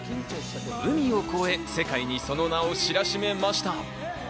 海を越え世界にその名を知らしめました。